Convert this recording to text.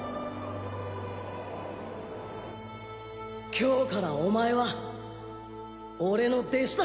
今日からお前は俺の弟子だ